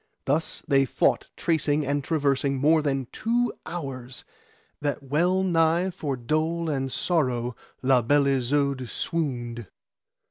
Thus they fought tracing and traversing more than two hours, that well nigh for dole and sorrow La Beale Isoud swooned.